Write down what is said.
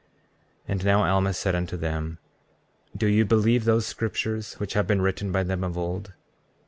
33:12 And now Alma said unto them: Do ye believe those scriptures which have been written by them of old?